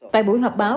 tại buổi họp báo